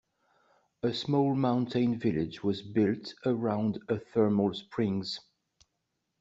A small mountain village was built around a thermal springs.